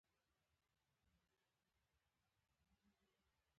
دوه غټ غټ توریان ولاړ وو.